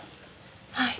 はい。